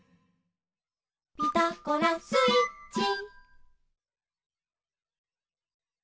「ピタゴラスイッチ」